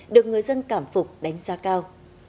được người dân cảm phục đánh giá cao